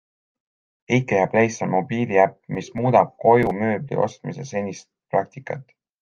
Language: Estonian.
IKEA Place on mobiiliäpp, mis muudab koju mööbli ostmise senist praktikat.